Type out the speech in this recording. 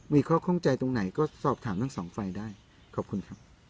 มีข้อข้องใจตรงไหนก็สอบถามทั้งสองฝ่ายได้ขอบคุณครับ